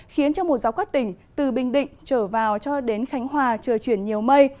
khiến cho một gió quát tỉnh từ bình định trở vào cho đến khánh hòa trời chuyển nhiều mây